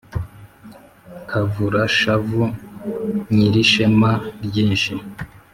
Kavura-shavu Nyirishema ryinshi,